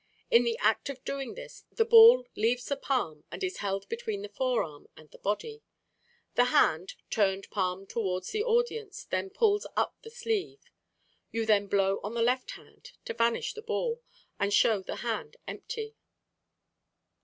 In the act of doing this, the ball leaves the palm and is held between the forearm and the body; the hand, turned palm towards the audience, then pulls up the sleeve. You then blow on the left hand to vanish the ball and show the hand empty.